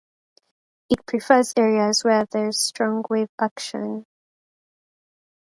It prefers areas where there is strong wave action.